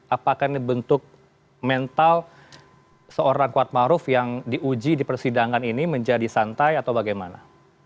apakah ini bentuk mental seorang kuatmaruf yang diuji di persidangan ini menjadi santai atau bagaimana